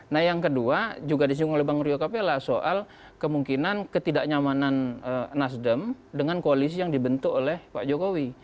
nah yang kedua juga disinggung oleh bang rio capella soal kemungkinan ketidaknyamanan nasdem dengan koalisi yang dibentuk oleh pak jokowi